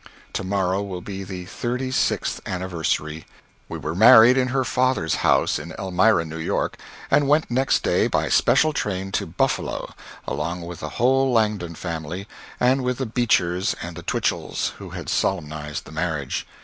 To morrow will be the thirty sixth anniversary. We were married in her father's house in Elmira, New York, and went next day, by special train, to Buffalo, along with the whole Langdon family, and with the Beechers and the Twichells, who had solemnized the marriage.